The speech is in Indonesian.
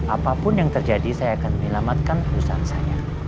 apapun yang terjadi saya akan menyelamatkan perusahaan saya